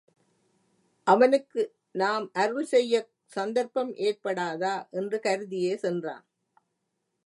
அவனுக்கு நாம் அருள் செய்யச் சந்தர்ப்பம் ஏற்படாதா? என்று கருதியே சென்றான்.